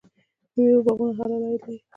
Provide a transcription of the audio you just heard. د میوو باغونه حلال عاید لري.